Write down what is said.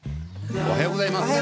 おはようございます。